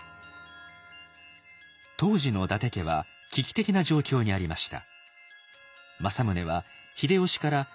当時の伊達家は危機的な状況にありました。